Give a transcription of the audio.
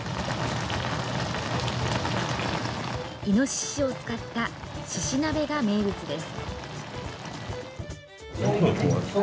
いのししを使ったしし鍋が名物です。